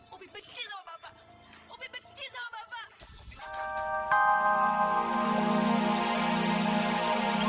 ubi benci sama bapak ubi benci sama bapak